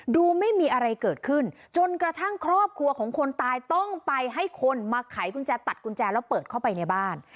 ดูไม่มีอะไรเกิดขึ้นจนกระทั่งครอบครัวของคนตายต้องไปให้คนมาไขกุญแจตัดกุญแจแล้วเปิดเข้าไปในบ้าน